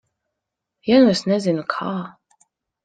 Ja nu es nezinu, kā?